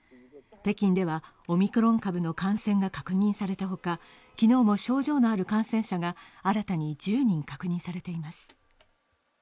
北京では、オミクロン株の感染が確認されたほか、昨日も症状のある感染者が新たに１０人確認されています。